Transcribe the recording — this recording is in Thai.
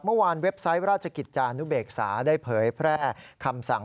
เว็บไซต์ราชกิจจานุเบกษาได้เผยแพร่คำสั่ง